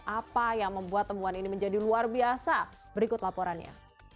apa yang membuat temuan ini menjadi luar biasa berikut laporannya